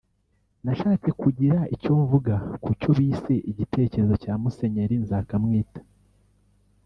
“Nashatse kugira icyo mvuga ku cyo bise igitekerezo cya Musenyeri Nzakamwita